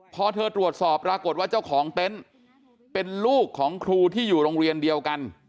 พอเธอตรวจสอบปรากฏว่าเจ้าของเต็นต์เป็นลูกของครูที่อยู่โรงเรียนเดียวกัน